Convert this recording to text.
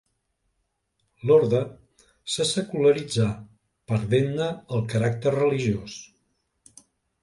L'orde se secularitzà, perdent-ne el caràcter religiós.